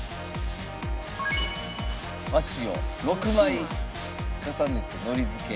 和紙を６枚重ねてのり付け。